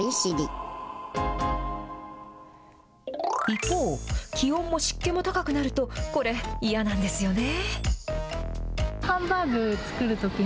一方、気温も湿気も高くなると、これ、嫌なんですよね。